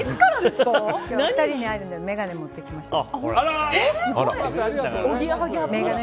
２人に会うので眼鏡持ってきました。